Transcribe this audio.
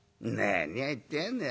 「何を言ってやがんでえ。